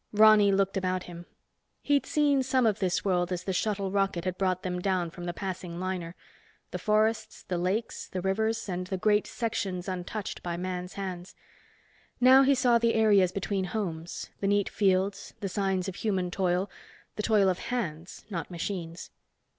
Ronny looked about him. He'd seen some of this world as the shuttle rocket had brought them down from the passing liner. The forests, the lakes, the rivers, and the great sections untouched by man's hands. Now he saw the areas between homes, the neat fields, the signs of human toil—the toil of hands, not machines.